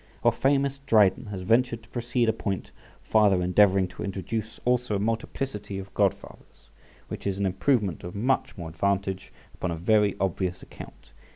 Our famous Dryden has ventured to proceed a point farther, endeavouring to introduce also a multiplicity of godfathers {69b}, which is an improvement of much more advantage, upon a very obvious account.